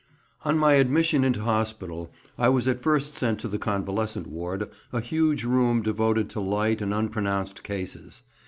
ON my admission into hospital I was at first sent to the convalescent ward, a huge room devoted to light and unpronounced cases.